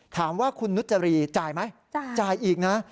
ถามว่าคุณนุจรีจ่ายไหมจ่ายอีกนะ